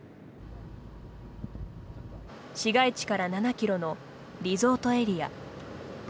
市街地から７キロのリゾートエリア。